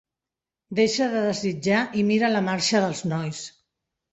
Deixa de desitjar i mira la marxa dels nois.